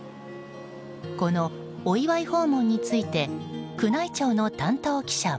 このお祝い訪問について宮内庁の担当記者は。